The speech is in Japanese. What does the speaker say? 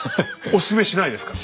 お勧めしないですか？